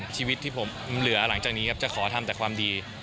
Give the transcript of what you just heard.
ชีวิตที่ผมเหลือหลังจากนี้ครับจะขอทำแต่ความดี